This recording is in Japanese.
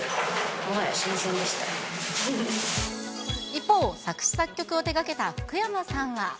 一方、作詞作曲を手がけた福山さんは。